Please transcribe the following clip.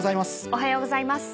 おはようございます。